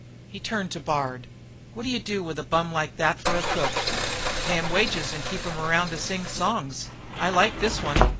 He turned to Bard. "What'd you do with a bum like that for a cook?" "Pay him wages and keep him around to sing songs. I like this one.